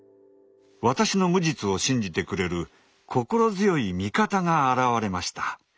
私の無実を信じてくれる心強い味方が現れました。